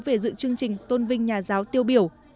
về dự chương trình tôn vinh nhà giáo tiêu biểu